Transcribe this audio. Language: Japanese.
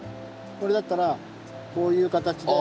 これだったらこういう形で。